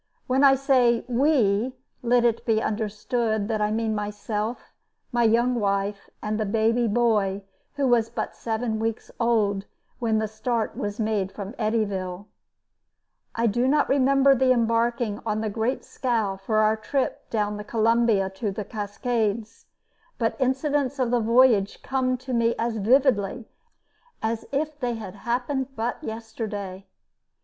When I say "we," let it be understood that I mean myself, my young wife, and the baby boy who was but seven weeks old when the start was made from Eddyville. [Illustration: Kiser Bros. St. Peter's Dome one of the sentinels of the Columbia.] I do not remember the embarking on the great scow for our trip down the Columbia to the Cascades. But incidents of the voyage come to me as vividly as if they had happened but yesterday.